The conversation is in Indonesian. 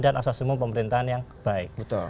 dan asas semua pemerintahan yang baik